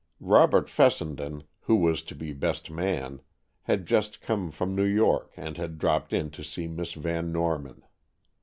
Robert Fessenden, who was to be best man, had just come from New York, and had dropped in to see Miss Van Norman.